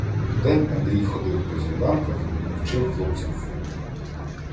Удень Андрій ходив по землянках і вчив хлопців вити.